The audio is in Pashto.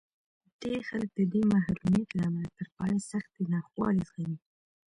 ډېر خلک د دې محرومیت له امله تر پایه سختې ناخوالې زغمي